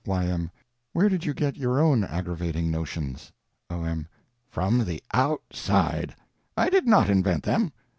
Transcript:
Y.M. Where did you get your own aggravating notions? O.M. From the outside. I did not invent them.